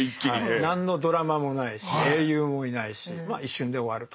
何のドラマもないし英雄もいないし一瞬で終わると。